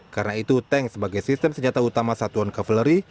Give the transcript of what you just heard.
karena itu tank sebagai sistem senjata utama satuan kaveleri